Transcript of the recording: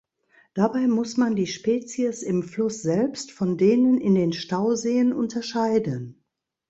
Dabei muss man die Spezies im Fluss selbst von denen in den Stauseen unterscheiden.